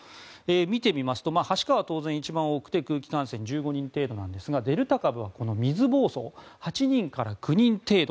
見てみますとはしかは当然一番多くて空気感染１５人程度なんですがデルタ株はこの水ぼうそう８人から９人程度。